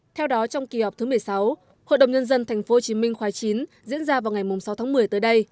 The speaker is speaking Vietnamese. theo đó trong kỳ họp thứ một mươi sáu hội đồng nhân dân tp hcm khóa chín diễn ra vào ngày sáu tháng một mươi tới đây